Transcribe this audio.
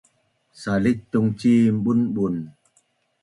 salitung cin bunbun